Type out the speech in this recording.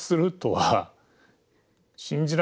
はい。